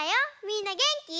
みんなげんき？